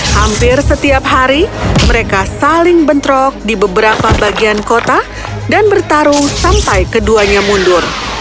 hampir setiap hari mereka saling bentrok di beberapa bagian kota dan bertarung sampai keduanya mundur